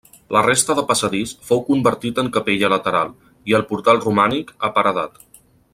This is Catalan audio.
La resta de passadís fou convertit en capella lateral, i el portal romànic, aparedat.